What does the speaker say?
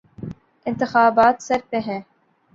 انتخابات سر پہ ہیں۔